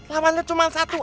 lawannya cuma satu